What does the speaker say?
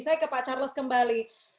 saya ke pak charles kembali